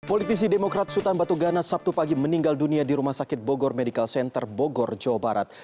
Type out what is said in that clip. politisi demokrat sultan batu ganas sabtu pagi meninggal dunia di rumah sakit bogor medical center bogor jawa barat